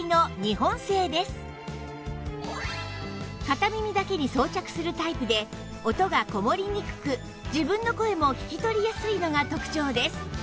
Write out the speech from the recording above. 片耳だけに装着するタイプで音がこもりにくく自分の声も聞き取りやすいのが特長です